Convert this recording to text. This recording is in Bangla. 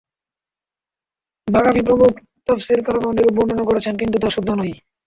বাগাবী প্রমুখ তাফসীরকারগণ এরূপ বর্ণনা করেছেন, কিন্তু তা শুদ্ধ নয়।